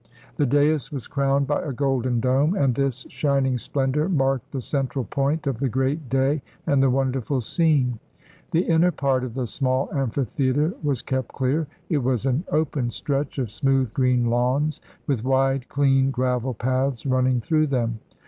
The dais was crowned by a golden dome, and this shin ing splendor marked the central point of the great day and the wonderful scene. The inner part of the small amphitheater was kept clear; it was an open stretch of smooth green lawns, with wide, clean gravel paths running through them.